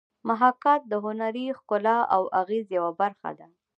محاکات د هنري ښکلا او اغېز یوه برخه ده